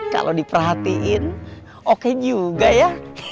kalau diperhatiin oke juga ya